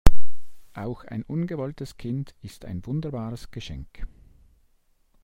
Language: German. Auch ein ungewolltes Kind ist ein wunderbares Geschenk.